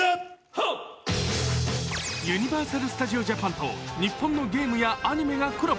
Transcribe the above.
ユニバーサル・スタジオ・ジャパンと日本のゲームやアニメがコラボ。